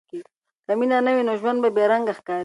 که مینه نه وي، نو ژوند بې رنګه ښکاري.